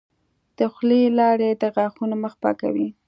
د خولې لاړې د غاښونو مخ پاکوي.